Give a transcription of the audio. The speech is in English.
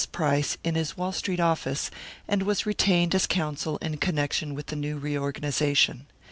Price in his Wall Street office, and was retained as counsel in connection with the new reorganisation.